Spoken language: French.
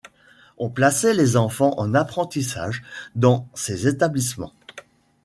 On plaçait les enfants en apprentissage dans ces établissements.